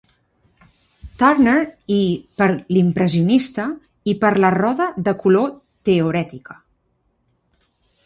Turner i per l"impressionista i per la roda de color teorètica.